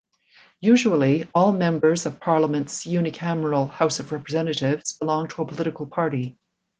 Usually, all members of Parliament's unicameral House of Representatives belong to a political party.